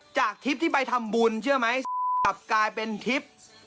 จากทิพย์ที่ไปทำบุญเชื่อไหมไอกลับกลายเป็นทิพย์